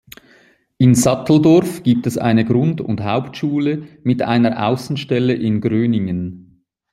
In Satteldorf gibt es eine Grund- und Hauptschule mit einer Außenstelle in Gröningen.